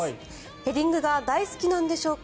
ヘディングが大好きなんでしょうか。